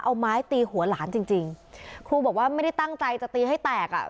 เอาไม้ตีหัวหลานจริงจริงครูบอกว่าไม่ได้ตั้งใจจะตีให้แตกอ่ะ